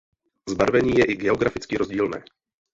Zbarvení je i geograficky rozdílné.